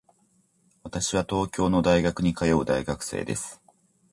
私は東京の大学に通う大学生です。